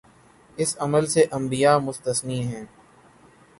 اس عمل سے انبیا مستثنی ہیں۔